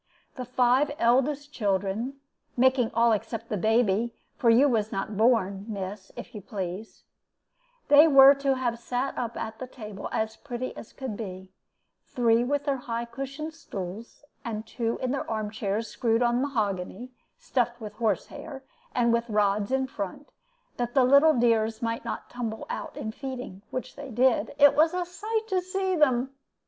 The five eldest children (making all except the baby, for you was not born, miss, if you please) they were to have sat up at table, as pretty as could be three with their high cushioned stools, and two in their arm chairs screwed on mahogany, stuffed with horsehair, and with rods in front, that the little dears might not tumble out in feeding, which they did it was a sight to see them!